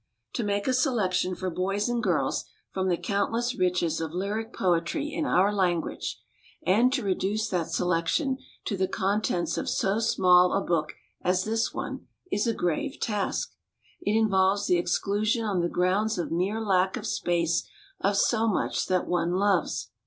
To make a selection for boys and girls from the countless riches of lyric poetry in our language, and to reduce that selection to the contents of so small a book as this one, is a grave task. It involves the exclusion on the grounds of mere lack of space, of so much that one loves.